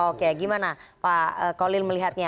oke gimana pak kolil melihatnya